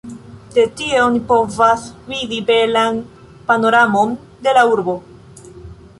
De tie oni povas vidi belan panoramon de la urbo.